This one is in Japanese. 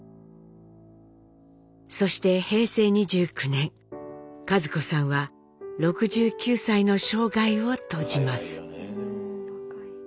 そして平成２９年一子さんは６９歳の生涯を閉じます。